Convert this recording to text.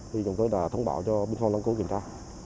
vì chúng tôi đã thông báo cho bình thôn lăng cô kiểm tra